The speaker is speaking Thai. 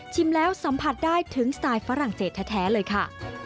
แล้วสัมผัสได้ถึงสไตล์ฝรั่งเศสแท้เลยค่ะ